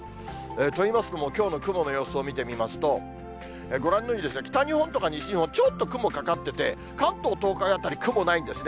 といいますのも、きょうの雲の様子を見てみますと、ご覧のように、北日本とか西日本、ちょっと雲かかっていて、関東とか東海辺り、雲ないんですね。